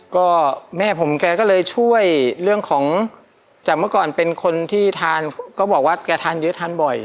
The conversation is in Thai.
ก็แม่ผมแกก็เลยช่วยเรื่องของจากเมื่อก่อนเป็นคนที่ทานก็บอกว่าแกทานเยอะทานบ่อย